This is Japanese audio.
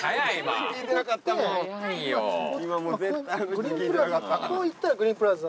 こう行ったらグリーンプラザ。